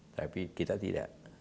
tapi kita tidak